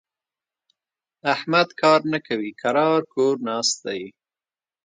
احمد کار نه کوي؛ کرار کور ناست دی.